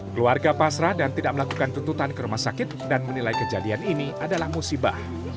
keluarga pasrah dan tidak melakukan tuntutan ke rumah sakit dan menilai kejadian ini adalah musibah